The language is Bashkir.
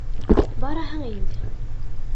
— Бараһың инде.